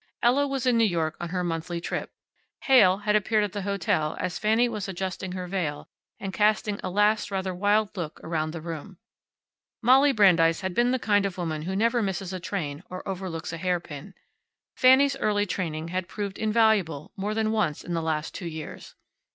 Ella was in New York on her monthly trip. Heyl had appeared at the hotel as Fanny was adjusting her veil and casting a last rather wild look around the room. Molly Brandeis had been the kind of woman who never misses a train or overlooks a hairpin. Fanny's early training had proved invaluable more than once in the last two years.